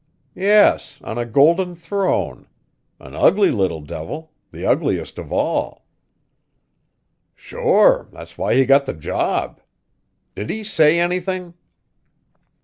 "Yes; on a golden throne. An ugly little devil the ugliest of all." "Sure; that why he's got the job. Did he say anything?"